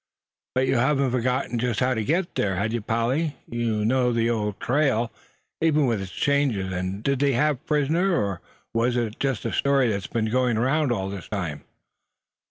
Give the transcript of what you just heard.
"But you hadn't forgotten just how to get there, had you, Polly; you knew the old trail, even with its changes; and did they have a prisoner; or was it just a story that's been going around all this time?"